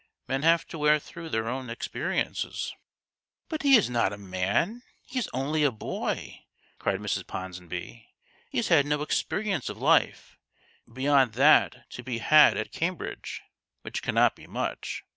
" Men have to wear through their own experiences." " But he is not a man he is only a boy !" cried Mrs. Ponsonby. " He has had no ex perience of life, beyond that to be had at Cambridge, which cannot be much.